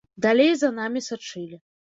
Далей за намі сачылі.